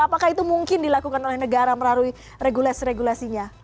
apakah itu mungkin dilakukan oleh negara meraruhi regulasi regulasinya